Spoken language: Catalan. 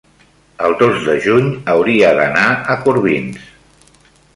el dos de juny hauria d'anar a Corbins.